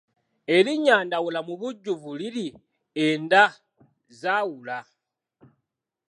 Erinnya Ndawula mu bujjuvu liri Enda zaawula.